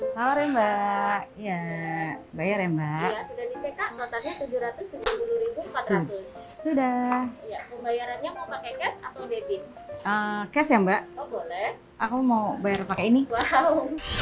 hai maaf mbak ya bayar mbak sudah pembayarannya mau pakai cash atau debit cash ya mbak aku mau